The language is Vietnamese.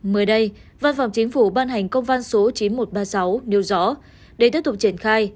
mới đây văn phòng chính phủ ban hành công văn số chín nghìn một trăm ba mươi sáu nêu rõ để tiếp tục triển khai